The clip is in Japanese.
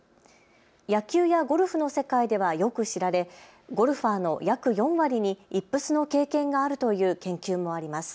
野球やゴルフの世界ではよく知られゴルファーの約４割にイップスの経験があるという研究もあります。